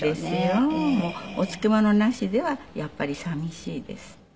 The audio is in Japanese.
お漬物なしではやっぱり寂しいです。